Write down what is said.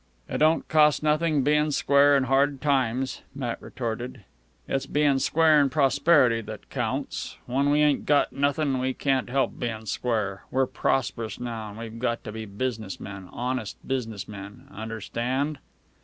"It don't cost nothin', bein' square in hard times," Matt retorted. "It's bein' square in prosperity that counts. When we ain't got nothin', we can't help bein' square. We're prosperous now, an' we've got to be business men honest business men. Understand?"